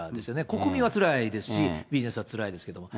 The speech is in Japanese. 国民はつらいですし、ビジネスはつらいですけれども。